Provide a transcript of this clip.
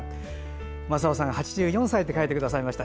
政雄さん、８４歳と書いてくださいました。